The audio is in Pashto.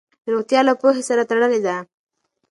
روغتیا له پوهې سره تړلې ده.